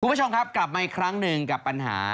คุณผู้ชมครับกลับมาอีกครั้งหนึ่งกับปัญหา